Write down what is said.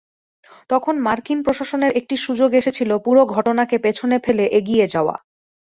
তখন মার্কিন প্রশাসনের একটি সুযোগ এসেছিল পুরো ঘটনাকে পেছনে ফেলে এগিয়ে যাওয়া।